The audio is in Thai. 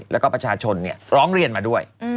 แล้วก็ประชาชนร้องเรียนมาด้วย